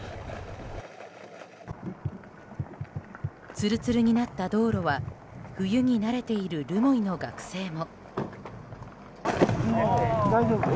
ツルツルになった道路は冬に慣れている留萌の学生も。